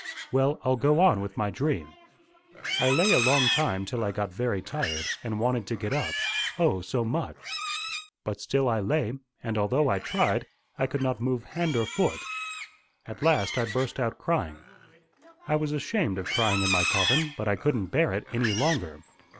"Well, I'll go on with my dream. I lay a long time till I got very tired, and wanted to get up, O, so much! But still I lay, and although I tried, I could not move hand or foot. At last I burst out crying. I was ashamed of crying in my coffin, but I couldn't bear it any longer.